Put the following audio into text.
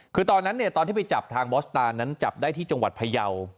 คือตอนนั้นตอนที่ไปจับทางบอสตาร์นั้นจับได้ที่จังหวัดพยาว